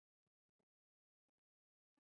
简单来说